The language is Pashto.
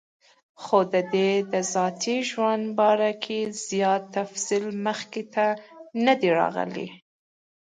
خو دَدوي دَذاتي ژوند باره کې زيات تفصيل مخې ته نۀ دی راغلی